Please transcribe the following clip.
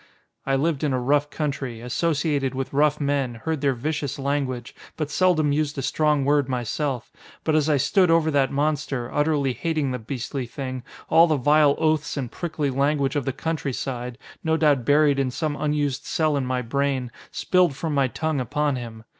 I lived in a rough country. Associated with rough men, heard their vicious language, but seldom used a strong word myself. But as I stood over that monster, utterly hating the beastly thing, all the vile oaths and prickly language of the countryside, no doubt buried in some unused cell in my brain, spilled from my tongue upon him.